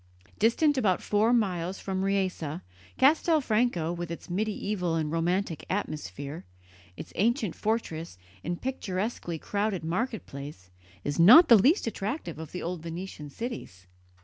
Distant about four miles from Riese, Castelfranco, with its medieval and romantic atmosphere, its ancient fortress and picturesquely crowded market place, is not the least attractive of the old Venetian cities.